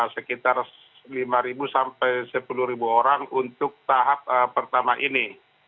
sekitar lima sampai sepuluh orang untuk tahap pertama ini